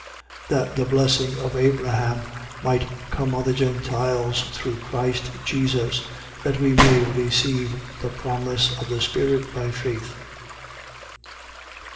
3:14. That the blessing of Abraham might come on the Gentiles through Christ Jesus: that we may receive the promise of the Spirit by faith.